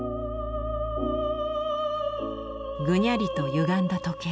ぐにゃりとゆがんだ時計。